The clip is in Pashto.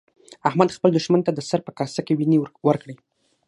احمد خپل دوښمن ته د سر په کاسه کې وينې ورکړې.